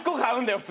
普通。